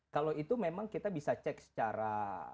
kalau itu memang kita bisa cek secara